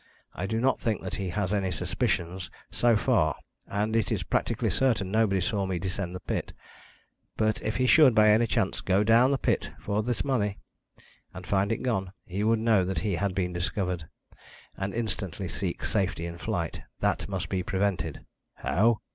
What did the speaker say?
I do not think that he has any suspicions, so far, and it is practically certain nobody saw me descend the pit. But if he should, by any chance, go down to the pit for his money, and find it gone, he would know he had been discovered, and instantly seek safety in flight. That must be prevented." "How?"